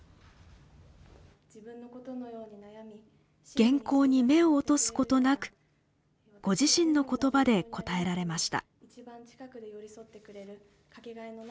原稿に目を落とすことなくご自身の言葉で答えられました。